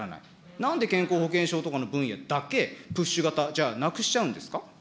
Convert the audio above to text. なんで健康保険証とかの分野だけ、プッシュ型、じゃあ、なくしちゃうんですか。